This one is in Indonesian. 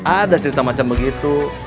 ada cerita macam begitu